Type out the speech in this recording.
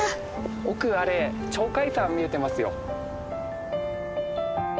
奥あれ鳥海山見えてますよ。